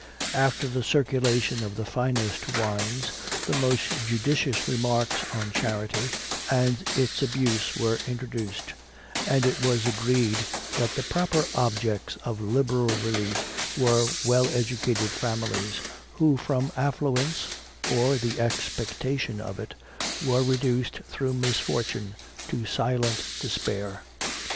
After the circulation of the finest wines, the most judicious remarks on charity and its abuse were introduced, and it was agreed that the proper objects of liberal relief were well educated families, who from affluence, or the expectation of it, were reduced through misfortune to silent despair.